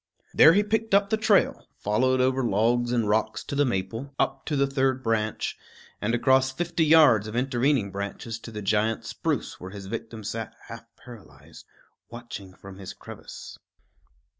There he picked up the trail, followed over logs and rocks to the maple, up to the third branch, and across fifty yards of intervening branches to the giant spruce where his victim sat half paralyzed, watching from his crevice.